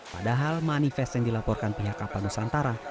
padahal manifest yang dilaporkan pihak kapal nusantara